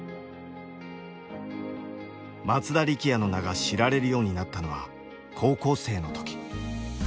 松田力也の名が知られるようになったのは高校生の時。